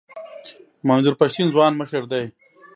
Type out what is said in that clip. منظور پښتین ځوان مشر دی.